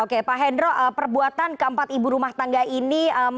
oke pak hendro perbuatan keempat ibu rumah tangga ini